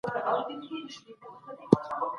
په کلیو کي باید د قابلو نشتوالی نه وي.